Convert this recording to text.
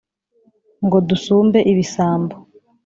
ngo dusumbe ibisambo